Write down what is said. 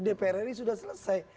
dpr ini sudah selesai